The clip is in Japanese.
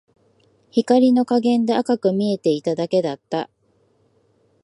光の加減で赤く見えていただけだった